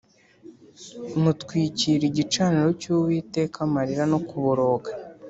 mutwikira igicaniro cy’Uwiteka amarira no kuboroga